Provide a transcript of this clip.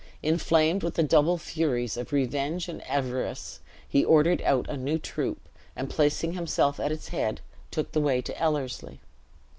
Inflamed with the double furies of revenge and avarice, he ordered out a new troop, and placing himself at its head, took the way to Ellerslie.